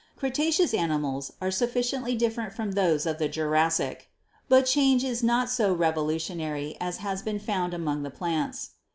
Cretaceous animals are sufficiently different from those of the Jurassic, but the 228 GEOLOGY change is not so revolutionary as has been found among the plants.